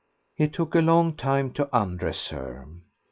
It took a long time to undress her.